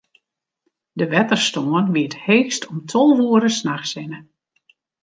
De wetterstân wie it heechst om tolve oere nachts hinne.